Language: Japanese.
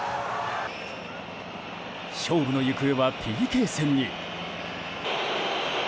勝負の行方は、ＰＫ戦に。